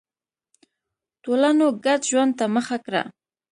ټولنو ګډ ژوند ته مخه کړه.